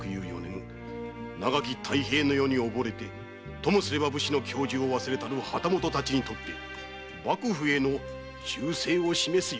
長き太平の世におぼれてともすれば武士の矜持を忘れたる旗本たちにとって幕府への忠誠を示すよい機会でござる。